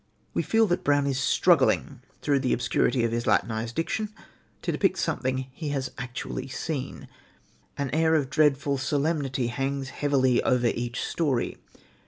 We feel that Brown is struggling through the obscurity of his Latinised diction to depict something he has actually seen. An air of dreadful solemnity hangs heavily over each story.